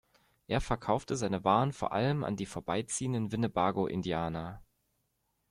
Er verkaufte seine Waren vor allem an die vorbeiziehenden Winnebago-Indianer.